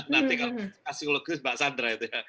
nanti kalau psikologis mbak sandra itu ya